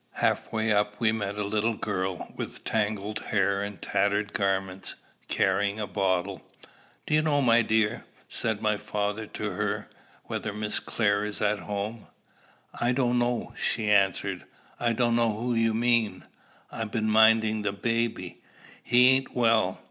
Half way up we met a little girl with tangled hair and tattered garments, carrying a bottle. "Do you know, my dear," said my father to her, "whether Miss Clare is at home?" "I dunno," she answered. "I dunno who you mean. I been mindin' the baby. He ain't well.